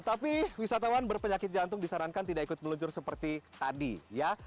tapi wisatawan berpenyakit jantung disarankan tidak ikut meluncur seperti tadi ya